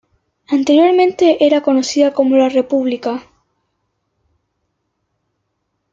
Anteriormente era conocida como "La República".